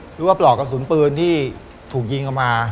หรือว่าปลอกกระสุนปืนที่ถูกยิงออกมา